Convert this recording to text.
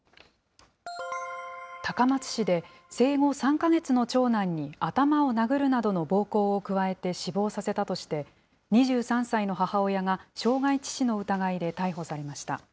高松市で、生後３か月の長男に頭を殴るなどの暴行を加えて死亡させたとして、２３歳の母親が傷害致死の疑いで逮捕されました。